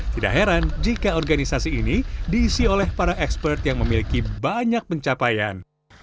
tidak heran jika organisasi ini diisi oleh para expert yang memiliki banyak pencapaian